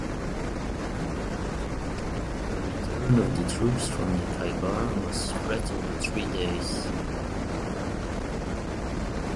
The return of the troops from the Khaibar was spread over three days.